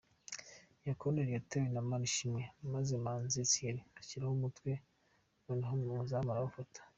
Iyi koruneli yatewe na Manishimwe maze Manzi Thierry ashyiraho umutwe noneho umuzamu arawufata.